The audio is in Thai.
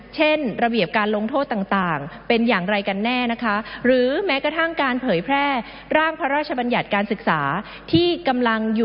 เช่นระเบียบการลงโทษต่างเป็นอย่างไรกันแน่นะคะ